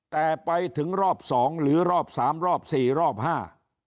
แต่ไปถึงรอบสองหรือรอบสามรอบสี่รอบห้า